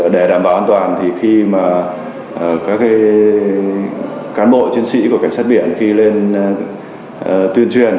để đảm bảo an toàn khi các cán bộ chiến sĩ của cảnh sát biển khi lên tuyên truyền